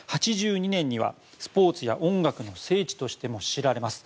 ８２年にはスポーツや音楽の聖地としても知られます